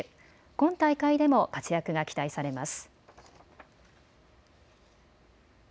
今大会でも活躍が期待されます。